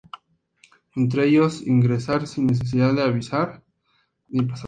Entre ellos ingresar sin necesidad de visa ni pasaporte.